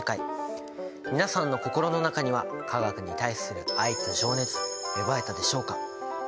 皆さんの心の中には化学に対する愛と情熱芽生えたでしょうか？